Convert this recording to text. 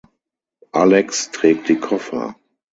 Alex trägt die Koffer.